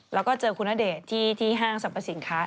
แล้วก็เจอคุณณเดชน์ที่ห้างสรรพสินค้า